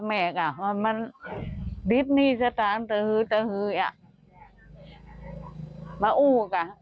แม่ใจมาดีจริงดูลูก